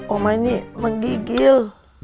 oma ini menggigil